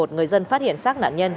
người dân phát hiện sát nạn nhân